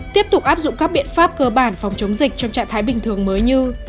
tiếp tục áp dụng các biện pháp cơ bản phòng chống dịch trong trạng thái bình thường mới như